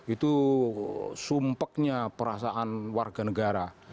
itu sumpeknya perasaan warga negara